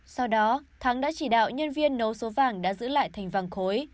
sau đó thắng đã chỉ đạo nhân viên nấu số vàng đã giữ lại thành vàng khối